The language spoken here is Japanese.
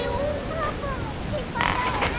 あーぷんもしんぱいだよね？